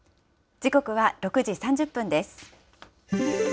時刻は６時３０分です。